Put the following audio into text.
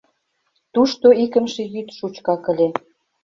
Тушто икымше йӱд шучкак ыле.